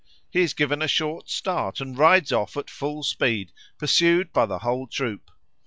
He is given a short start and rides off at full speed, pursued by the whole troop.